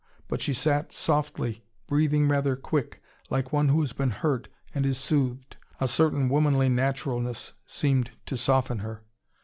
But she sat softly, breathing rather quick, like one who has been hurt, and is soothed. A certain womanly naturalness seemed to soften her.